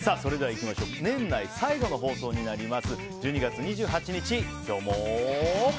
年内最後の放送になります。